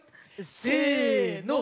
せの！